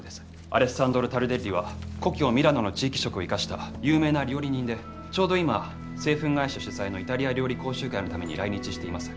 アレッサンドロ・タルデッリは故郷ミラノの地域色を生かした有名な料理人でちょうど今製粉会社主催のイタリア料理講習会のために来日しています。